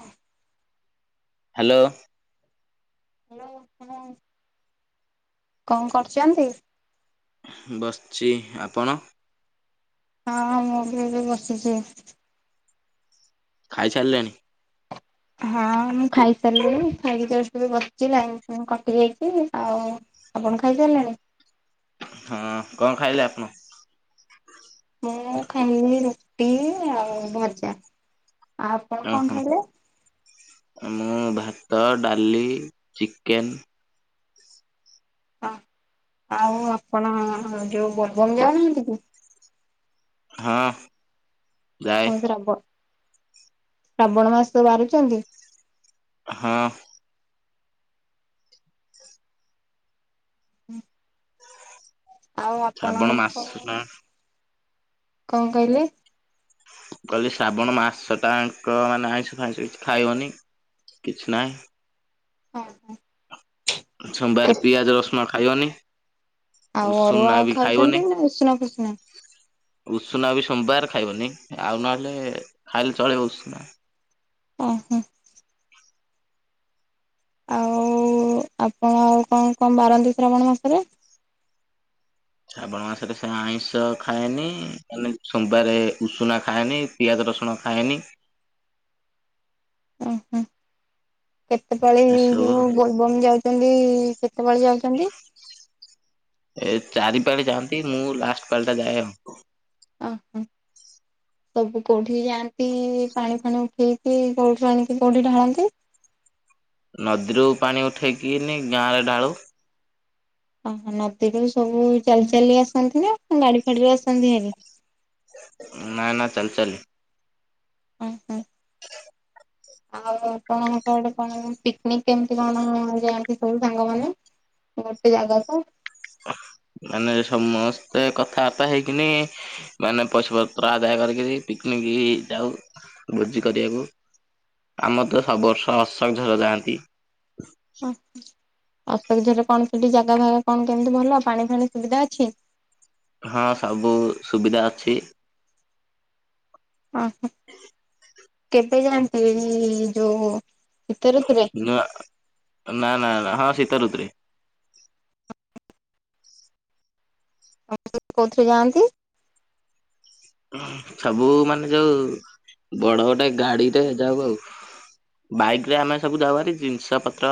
ହଁ hello. Hello ହଁ କଣ କରୁଚନ୍ତି? ବସଚି ଆପଣ? ହଁ ମୁଁ ବି ଏଇଠି ବସିଚି। ଖାଇ ସାଇଲେଣି? ହଁ ମୁଁ ଖାଇସାରିଲିଣି ଖାଇକି ଜଷ୍ଟ ଏବେ ବସିଚି ଲାଇନ ଉଁ କଟି ଯାଇଚି ଆଉ ଆପଣ ଖାଇ ସାରିଲେଣି? ହଁ କଣ ଖାଇଲେ ଆପଣ? ମୁଁ ଖାଇଲିି ରୁଟି ଆଉ ଭଜା। ଆଉ ଆପଣ କଣ ଓହୋ ଖାଇଲେ? ମୁଁ ଭାତ, ଡାଲି, ଚିକେନ୍ ହଁ ଆଉ ଆପଣ ଯୋଉ ବୋଲବମ ଯାଉନାହାନ୍ତି କି? ହଁ। ଯାଏ ହଁ ଆଜି ରବ ଶ୍ରାବଣ ମାସ ବାରୁଚନ୍ତି? ହଁ। ହଁ ଆଉ ଶ୍ରାବଣ ମାସ ଆପଣଙ୍କ ନା କଣ କହିଲେ? କହିଲି ଶ୍ରାବଣ ମାସଟା ଆଙ୍କ ମାନେ ଆଇଁଷ ଫାଇଁଷ କିଛି ଖାଇବନି? କିଛି ନାଇଁ। ଅଁ ହଁ। ସୋମବାରେ ହଁ ପିଆଜ ରସୁଣ ଖାଇବନି। ଆଉ ଉଷୁନା ଅରୁଆ ବି ଖାଇବନି ଖାଉଚନ୍ତି ନା ଉଷୁନା ଫୁଷୁନା ଉଷୁନା ବି ସୋମବାର ଖାଇବନି ଆଉ ନହେଲେ ଖାଇଲେ ଚଳିବ ଉଷୁନା। ଓହୋ। ଆଉ ଆପଣ କଣ କଣ ବାରନ୍ତି ଶ୍ରାବଣ ମାସରେ? ଶ୍ରାବଣ ମାସରେ ସେ ଆଇଁଷ ଖାଏନି ମାନେ ସୋମବାରେ ଉଷୁନା ଖାଏନି ପିଆଜ ରସୁଣ ଖାଏନି। କେତେବେଳେ ଏସବୁ ଯୋଉ ବୋଲବମ ଯାଉଚନ୍ତି କେତେବେଳେ ଯାଉଚନ୍ତି? ଏ ଚାରି ପାଳି ଯାଆନ୍ତି ମୁଁ ଲାଷ୍ଟ ପାଳିଟା ଯାଏ ଆଉ। ଅହ। ସବୁ କୋଉଠିକି ଯାଆନ୍ତି ପାଣି ଫାଣି ଉଠେଇକି କୋଉଠୁ ଆଣିକି କୋଉଠି ଢାଳନ୍ତି? ନଦୀରୁ ପାଣି ଉଠେଇକି ନେଇ ଗାଁରେ ଢାଳୁ। ଓହୋ ନଦୀରୁ ସବୁ ଚାଲି ଚାଲି ଆସନ୍ତି ନା ଗାଡି ଫାଡିରେ ଆସନ୍ତି ଭାରି? ନା ନା ଚାଲି ଚାଲି। ଓହୋ। ହ [inaudible] ଆଉ ଆପଣଙ୍କ ଆଡେ କଣ କେମି ପିକନିକ କେମିତି କଣ ଯାଆନ୍ତି ସବୁ ସାଙ୍ଗମାନେ? ଗୋଟେ ଜାଗା ତ। ମାନେ ସମସ୍ତେ କଥାବାର୍ତ୍ତା ହେଇକିନି ମାନେ ପଇସାପତ୍ର ଆଦାୟ କରିକିରି ପିକନିକ ଯାଉ ଭୋଜି କରିବାକୁ। ଆମ ତ ସବୁ ବର୍ଷ ଅଶୋକ ଝର ଯାଆନ୍ତି। ହ [inaudible] ଅଶୋକଝର କଣ ସେଠି ଜାଗା ଫାଗା କଣ କେମିତି ଭଲ ପାଣି ଫାଣି ସୁବିଧା ଅଛି? ହଁ ସବୁ ସୁବିଧା ଅଛି। ଓହୋ କେବେ ଯାନ୍ତି ଏ ଯୋଉ ଋତୁରେ ନା ନା ନା ନା ହଁ ଶୀତ ଋତୁରେ। ହ କୋଉଥିରେ ଯାଆନ୍ତି? ସବୁ ମାନେ ଯୋଉ ବଡ ଗୋଟେ ଗାଡିରେ ଯାଉ ଆଉ ବାଇକରେ ଆମେ ସବୁ ଯାଉଭାରି ଜିନିଷ ପତ୍ର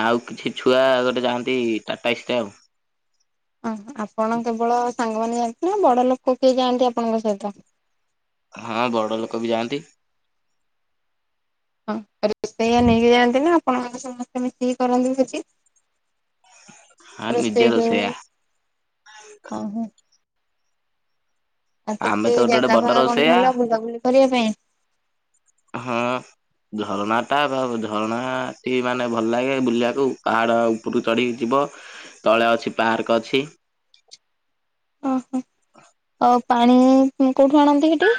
ନା ଆଉ କିଛି ଛୁଆ ଗୋଟେ ଯାଆନ୍ତି ଟାଟା ଶିରେ ଆଉ। ଅହ ଆପଣ କେବଳ ସାଙ୍ଗମାନେ ଯାଆନ୍ତି ନା ବଡ ଲୋକ କେହି ଯାଆନ୍ତି ଆପଣଙ୍କ ସହିତ? ହଁ ବଡ ଲୋକ ବି ଯାଆନ୍ତି। ହଁ ରୋଷିଆ ନେଇକି ଯାଆନ୍ତି ନା ଆପଣମାନେ ସମସ୍ତେ ମିଶିକି କରନ୍ତି ଭୋଜି? ହଁ ନିଜେ ରୋଷେଇ ଯୋଉ ରୋଷେଇଆ ଓ ହଁ। ଆଉ ଆମେ ସେଠି ତ ଗୋଟେ ଗୋଟେ ଜାଗା ବଡ ଫାଗା କଣ ରୋଷେଇଆ। ଭଲ ବୁଲାବୁଲି କରିବା ପାଇଁ? ହଁ ଝରଣାଟା ବା ଝରଣାଟି ମାନେ ଭଲ ଲାଗେ ବୁଲିବାକୁ ପାହାଡ଼ ଉପରୁକୁ ଚଢ଼ିକି ଯିବ ତଳେ ଅଛି ପାର୍କ ଅଛି। ଓହୋ ଆଉ ପାଣି କୋଉଠୁ ଆଣନ୍ତି ହେଠି?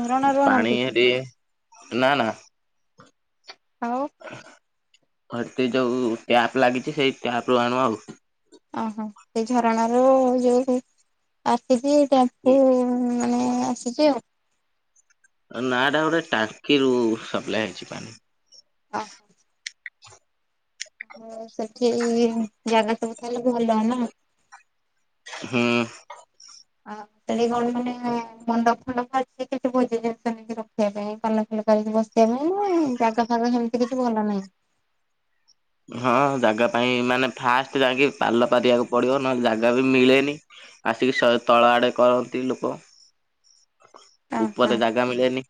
ଝରଣାରୁ ପାଣି ଆଣନ୍ତି। ହେଟି ନା ନା ଆଉ ଘର୍ତି ଯୋଉ ଟ୍ୟାପ ଲାଗିଛି ସେଇ ଟ୍ୟାପ ରୁ ଆଣୁ ଆଉ। ଓହୋ ସେ ଝରଣାରୁ ଯୋଉ ଆସିଛି ତାଙ୍କୁ ମାନେ ଆସିଛି ଆଉ। ନାଟା ଗୋଟେ ଟାଙ୍କିରୁ ସପ୍ଲାଏ ହେଇଛି ପାଣି ଓ ହୋ ହ ସେଠି ଜାଗା ସବୁ ତାହଲେ ଭଲ ନା? ହୁଁ ଆଉ ସେ କଣ ମାନେ ମଣ୍ଡଵ ଫଣ୍ଡଵ କିଛି ଭୋଜି ଜିନିଷକ ରଖିବା ପାଇଁ [inaudible] ବସିବା ପାଇଁ ନା ଜାଗା ଫାଗା ହେମିତି କିଛି ଭଲ ନାହିଁ [inaudible] ହଁ ଜାଗା ପାଇଁ ମାନେ ଫାଷ୍ଟ ଯାଇକି ପାଲ ପାରିବାକୁ ପଡ଼ିବ ନହେଲେ ଜାଗା ବି ମିଳେନି। ଆସିକି ସ ତଳ ଆଡ଼େ କରନ୍ତି ଲୋକ। ଓହୋ। ଉପରେ ଜାଗା ମିଳେନି।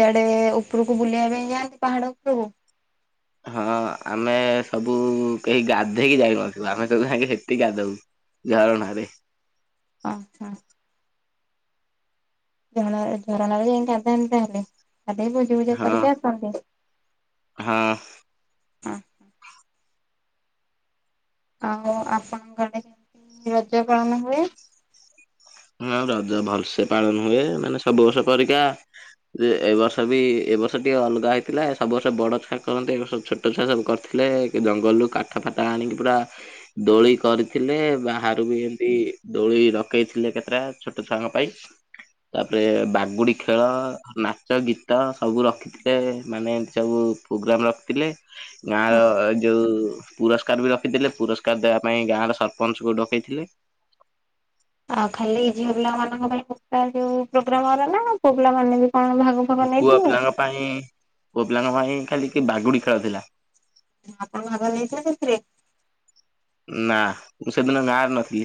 ସେ ଆଡ଼େ ଉପରକୁ ବୁଲିବା ପାଇଁ ଯାଆନ୍ତି ପାହାଡ ଉପରକୁ? ହଁ ଆମେ ସବୁ କେହି ଗାଧେଇକି ଯାଇନଥିବୁ ଆମେ ସବୁ ଯାଇକି ସେଠି ଗାଧୋଉ। ଝରଣାରେ। ଓ ହଁ ଝରଣା ରେ, ଝରଣା ରେ ଯାଇକି ଗାଧାନ୍ତି ତାହେଲେ। ତାପରେ ଭୋଜିିଫୋଜି ହଁ କରିକି ଆସନ୍ତି ହଁ। ଅ ଆଉ ଆପଣଙ୍କ ଆଡ଼େ କେମତି ରଜ ପାଳନ ହୁଏ? ଆଉ ରଜ ଭଲସେ ପାଳନ ହୁଏ ମାନେ ସବୁ ବର୍ଷ ପରିକା ଯେ ଏ ବର୍ଷ ବି ଏ ବର୍ଷ ଟିକେ ଅଲଗା ହେଇଥିଲା ସବୁ ବର୍ଷ ବଡ଼ ଛୁଆ କରନ୍ତି ଏ ବର୍ଷ ଛୋଟ ଛୁଆ ସବୁ କରିଥିଲେ। ଥିଲେ ଜଙ୍ଗଲରୁ କାଠ ଫାଟ ଆଣିକି ପୁରା ଦୋଳି କରିଥିଲେ। ବାହାରୁ ବି ଏମିତି ଦୋଳି ରକେଇ ଥିଲେ କେତେଟା ଛୋଟ ଛୁଆଙ୍କ ପାଇଁ। ତାପରେ ବାଗୁଡ଼ି ଖେଳ ନାଚ ଗୀତ ସବୁ ରଖିଥିଲେ ମାନେ ଏମତି ସବୁ ପ୍ରୋଗ୍ରାମ ରଖିଥିଲେ ଗାଁ ର ଯଉ ପୁରସ୍କାର ବି ରଖିଥିଲେ ପୁରସ୍କାର ଦେବା ପାଇଁ ଗାଁ ର ସରପଞ୍ଚଙ୍କୁ ଡକେଇଥିଲେ। ଆଉ ଖାଲି ଝିଅ ପିଲା ମାନଙ୍କ ପାଇଁ ପୋଟା ଯୋଉ ପ୍ରୋଗ୍ରାମ ହେଲା ନା ପୁଅ ପିଲା ମାନେ ବି କଣ ଭାଗ ଫାଗ ପୁଅ ନେଇଥିଲେ? ପିଲାଙ୍କ ପାଇଁ ପୁଅ ପିଲାଙ୍କ ପାଇଁ ଖାଲିକି ବାଗୁଡ଼ି ଖେଳଥିଲା। ଆପଣ ଭାଗ ନେଇଥିଲେ ସେଥିରେ? ନା ମୁଁ ସେଦିନ ଗାଁରେ ନଥିଲି।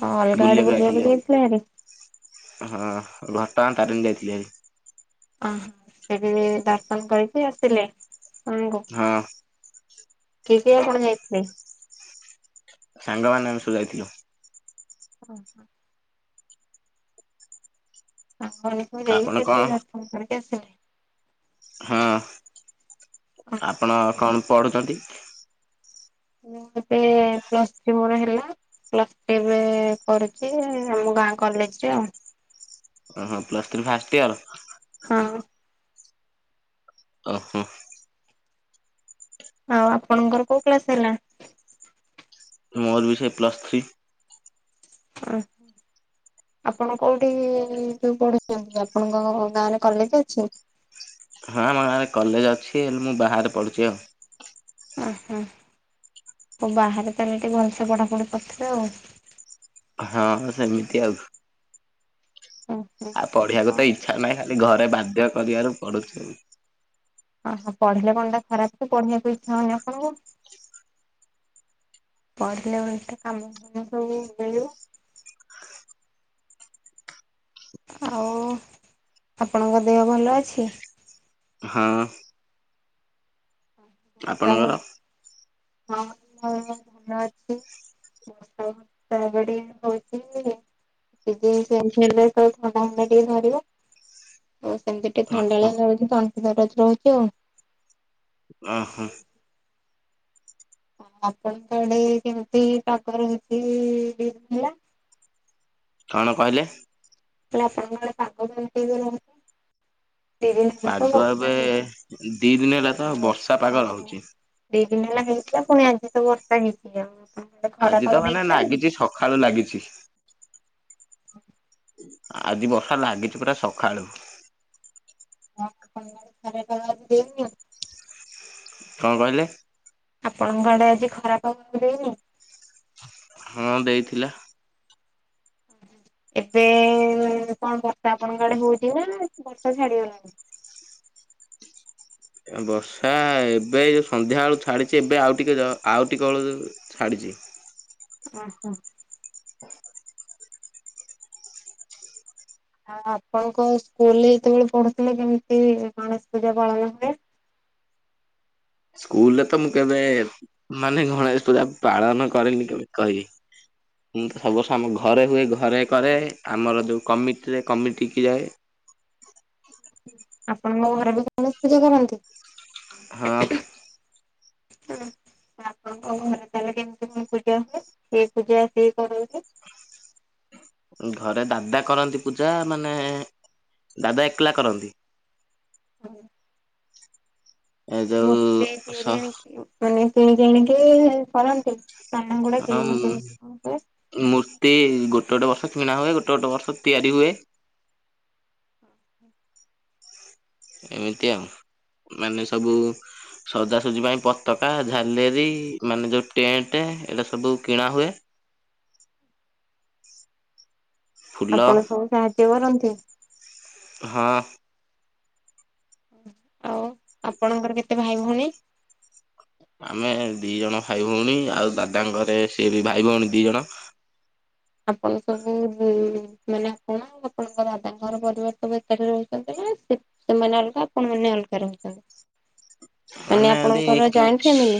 କଣ ଅଲଗା ଆଡ଼େ ବୁଲିବାକୁ ଯାଇଥିଲେ ଭାରି? ହଁ ଘଟଙ୍ଗା ତାରିଣୀ ଯାଇଥିଲି ଓହୋ ଭାରି। ସେଠି ଦର୍ଶନ କରିକି ଆସିଲେ? ଆପଣଙ୍କୁ ହଁ। କିଏ କିଏ ଆପଣ ଯାଇଥିଲେ? ସାଙ୍ଗମାନେ ଆମେ ସବୁ ଯାଇଥିଲୁ। ଓହୋ। ସାଙ୍ଗମାନେ ସବୁ ଯାଇକି ଆପଣ କଣ ସେଠି ଦର୍ଶନ କରିକି ଆସିଲେ। ହଁ ଆପଣ କଣ ପଢୁଛନ୍ତି? ମୁଁ ଏବେ ପ୍ଲସ୍ ଥ୍ରୀ ମୋର ହେଲା ପ୍ଲସ୍ ଥ୍ରୀ ଏବେ କରୁଛି ଆମ ଗାଁ କଲେଜରେ ଆଉ। ଓହୋ ପ୍ଲସ ଥ୍ରୀ ଫାଷ୍ଟ ଇୟର? ହଁ ଓ ହୋ। ଆଉ ଆପଣଙ୍କର କୋଉ କ୍ଲାସ ହେଲା? ମୋର ବି ସେଇ ପ୍ଲସ୍ ଥ୍ରୀ। ଓହୋଃ। ଆପଣ କୋଉଠି ଯୋଉ ପଢୁଛନ୍ତି ଆପଣଙ୍କ ଗାଁରେ କଲେଜ ଅଛି? ହଁ ଆମ ଗାଁରେ କଲେଜ ଅଛି ହେଲେ ମୁଁ ବାହାରେ ପଢୁଛି ଆଉ। ଓଃ ହୋ। ଓଃ ବାହାରେ ତାହେଲେ ଟିକେ ଭଲସେ ପଢ଼ାପଢ଼ି କରୁଥିବେ ଆଉ। ହଁ ସେମିତି ଆଉ। ଓହୋ। ଆଉ ପଢ଼ିବାକୁ ତ ଇଚ୍ଛା ନାହିଁ ଖାଲି ଘରେ ବାଧ୍ୟ କରିବାରୁ ପଢ଼ୁଛୁ। ଓହୋ ପଢ଼ିଲେ କଣଟା ଖରାପ କି ପଢ଼ିବାକୁ ଇଚ୍ଛା ହଉନି ଆପଣଙ୍କୁ? ପଢିଲେ ବେଳେତ କାମ ଫାମ ସବୁ ମିଳିବ। ଆଉ ଆପଣଙ୍କ ଦେହ ଭଲ ଅଛି? ହଁ ଆପଣଙ୍କର? ହଁ ମୋ ଦେହ ଭଲ ଅଛି। [unintelligible] [unintelligible] ଆଉ ସେମିତି ଟିକେ ଥଣ୍ଡା ଓହୋ ଳିଆ ଲାଗୁଛି [unintelligible] ତଣ୍ଟି ଦରଜ ରହୁଛି ଆଉ। ଓହୋ। ଆପଣଙ୍କ ଆଡେ କେମିତି ଟପର [unintelligible] ହେଲା? କଣ କହିଲେ? ତ ଆପଣଙ୍କ ଆଡ଼େ ପାଗ [unintelligible] ତ ପାଗ ଏବେ ବର୍ଷା ହେଇଛି। ଦି ଦିନ ହେଲା ତ ବର୍ଷା ପାଗ ରହୁଛି। ଦିନେନା ହେଲା ହେଇଥିଲା ପୁଣି ଆଜି ତ ବର୍ଷା ହେଇଛି ଆଉ। ଆପଣଙ୍କ ଆଡେ ଖରା ଆଜି ପାଗ ତ ମାନେ ଦେଇଥିଲା ଆଜି? ନାଗିଛି ସକାଳୁ ଲାଗିଛି। ଆଜି ବର୍ଷା ଲାଗିଛି ପୁରା ସକାଳୁ। ହଁ ପ ଖରା କରିବା [unintelligible] କଣ କହିଲେ? ଆପଣଙ୍କ ଆଡେ ଆଜି ଖରାପ [unintelligible] ଦେଇନି। ହୁଁ ଦେଇଥିଲା। ଏବେ କଣ ବର୍ଷା ଆପଣଙ୍କ ଆଡେ ହଉଛି ନା ବର୍ଷା ଛାଡିଗଲାଣି? ବର୍ଷା ଏବେ ଯୋଉ ସନ୍ଧ୍ୟା ବେଳୁ ଛାଡିଛି ଏବେ ଆଉ ଟିକେ ଯା ଆଉ ଟିକେ ବେଳୁ ଛାଡି ଚି ଓ ହୋ ଆ ଆପଣଙ୍କ ସ୍କୁଲରେ ଯେତେବେଳେ ପଢୁଥିଲେ କେମିତି ଗଣେଶ ପୂଜା ପାଳନ ହୁଏ? ସ୍କୁଲରେ ତ ମୁଁ କେବେ ମାନେ ଗଣେଶ ପୂଜା ପାଳନ କରିନି କେବେ କହିବି। ମୁ ତ ସବୁ ବର୍ଷ ଆମ ଘରେ ହୁଏ ଘରେ କରେ ଆମର ଯେଉଁ କମିଟିରେ କମିଟି କିି ଯାଏ ଆପଣଙ୍କ ଘରେ ବି କୌଣସି ପୂଜା କରନ୍ତି? ହଁ। ଆପଣଙ୍କ ଘରେ ତାହଲେ କେମିତି କ ପୂଜା ହୁଏ ସେ ପୂଜା ଆସିକି କରଛି [unintelligible] [inaudible] ଘରେ ଦାଦା କରନ୍ତି ପୂଜା ମାନେ ଦାଦା ଏକଲା କରନ୍ତି। ହୁଁ। ଏ ଯୋଉ ମୂର୍ତ୍ତି ସ ତିଆରି ଆଣିକି ମାନେ କିଣି ଆଣିକି କରନ୍ତି? ସାନ ଗୁଡା ହଁ କେମିତି କେମିତି କଣ ହୁଏ ମୂର୍ତ୍ତି ଗୋଟେ ଗୋଟେ ବର୍ଷ କିଣା ହୁଏ ଗୋଟେ ଗୋଟେ ବର୍ଷ ତିଆରି ହୁଏ। ଏମିତି ଆଉ ମାନେ ସବୁ ସଜାସଜି ପାଇଁ ପତାକା ଝାଲେରୀ ମାନେ ଯୋଉ ଟେଣ୍ଟ ଏଇଟା ସବୁ କିଣା ହୁଏ, ଫୁଲ ଆପଣ ସବୁ ସାହାଯ୍ୟ କରନ୍ତି? ହଁ। ଆଉ ଆପଣଙ୍କର କେତେ ଭାଇ ଭଉଣୀ? ଆମେ ଦି ଜଣ ଭାଇ ଭଉଣୀ ଆଉ ଦାଦାଙ୍କରେ ସିଏ ବି ଭାଇ ଭଉଣୀ ଦି ଜଣ। ଆପଣ ସବୁ ବି [unintelligible] ମାନେ ଆ କଣ ଆପଣଙ୍କ ଦାଦାଙ୍କର ପରିବାର ତ ଭିତରେ ରହୁଛନ୍ତି ନା ସେମାନେ ବଳକୁ [unintelligible] ଆପଣ ମାନେ ଏକା ରହୁଛନ୍ତି [unintelligible] ମାନେ ଏନ୍ତି ଆପଣଙ୍କର [unintelligible] ଜଏଣ୍ଟ ଫ୍ୟାମିଲି?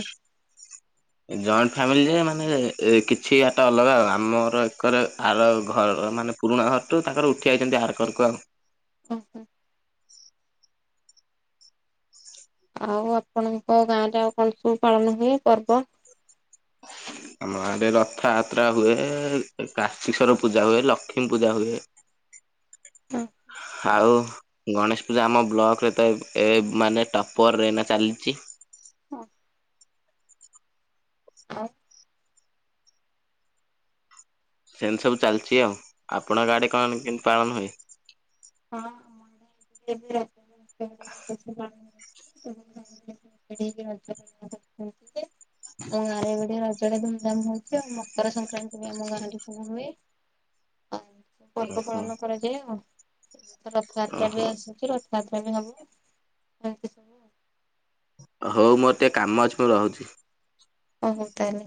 ଜଏଣ୍ଟ ଫାମିଲି ଯେ ମାନେ ଏ କିଛି ଆଟା ଅଲଗା ଆ ଆମର ଏକର ଆର ଘର ମାନେ ପୁରୁଣା ଘର ଟୁ ତାଙ୍କର ଉଠି ଆଛନ୍ତି ତୟାର କରୁ କୁଉ ଉ ହୁ। ଆଉ ଆପଣଙ୍କ ଗାଁ ରେ ଆଉ କଣ ସବୁ ପାଳନ ହୁଏ ପର୍ବ? ଆମ ଆଡରେ ରଥଯାତ୍ରା ହୁଏ, କାଶୀଶ୍ଵର ପୂଜା ହୁଏ, ଲକ୍ଷ୍ମୀ ପୂଜା ହୁଏ। ଅହୋ। ଆଉ ଗଣେଶ ପୂଜା ଆମ ବ୍ଲକରେ ତ ଏ ଏ ମାନେ ଟପର ରେ ଏଇନା ଚାଲିଚି। ଓ। ସେମିତି ସବୁ ଚାଲିଛି। ଆଉ ଆପଣଙ୍କ ଆଡ଼େ କଣ କେମତି ପାଳନ ହୁଏ? ହଁ ଆମ ଆଡ଼େ ଏବେ ରଥ ଯାତ୍ରା ରଥ ଯାତ୍ରା ଭଲ ସେ ପାଳନ। [unintelligible] [unintelligible] ରଜ। ଆମ ଗାଁ ରେ ଏପଟେ ରଜ ରେ ଧୁମ୍ ଧାମ ହଉଛି ଆଉ ମକର ସଂକ୍ରାନ୍ତି ବି ଆମ ଗାଁରେ ସବୁ ହୁଏ। ଆଉ ଏମିତି ସବୁ ପର୍ବ ପାଳନ କରାଯାଏ ଆଉ। ଏବେ ରଥଯାତ୍ରା ବି ଓହୋ ଆସୁଛି ରଥଯାତ୍ରା ବି ହବ ଏମିତି ସବୁ ଆଉ। ହଉ ମୋର ଟିକେ କାମ ଅଛି ମୁଁ ରହୁଛି। ଓ ହୋ ତାହେଲେ।